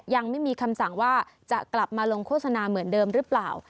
ยังไม่มีคำสั่งว่าจะกลับมาลงโฆษณาเหมือนเดิมหรือเปล่า